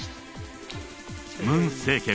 ムン政権